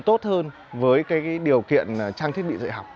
tốt hơn với cái điều kiện trang thiết bị dạy học